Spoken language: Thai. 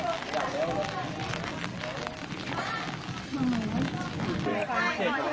ต้องย่ายกันไปไหม